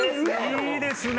いいですね！